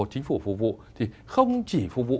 chính phủ phục vụ thì không chỉ phục vụ